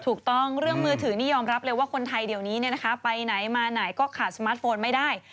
ถูกต้องเรื่องมือถือนี่ยอมรับเลยว่าคนไทยเดี๋ยวนี้ไปไหนมาไหนก็ขาดสมาร์ทโฟนไม่ได้